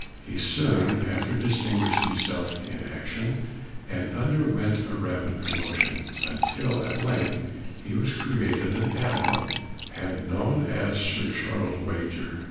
He soon after distinguished himself in action, and underwent a rapid promotion, until at length he was created an Admiral, and known as Sir Charles Wager.